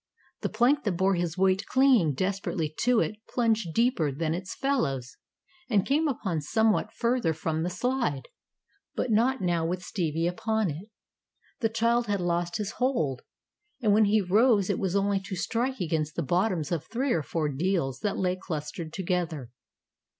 The plank that bore his weight clinging desperately to it, plunged deeper than its fellows, and came up somewhat further from the slide, but not now with Stevie upon it. The child had lost his hold, and when he rose it was only to strike against the bottoms of three or four deals that lay clustered together.